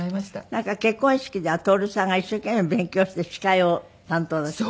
なんか結婚式では徹さんが一生懸命勉強して司会を担当なすって？